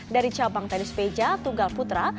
dari cabang tenis meja tunggal putra